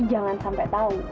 jangan sampai tau